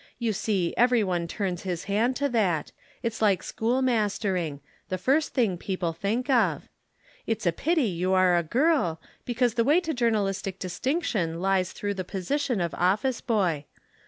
You see, everyone turns his hand to that it's like schoolmastering, the first thing people think of. It's a pity you are a girl, because the way to journalistic distinction lies through the position of office boy.